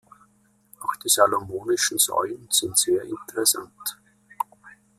Auch die salomonischen Säulen sind sehr interessant.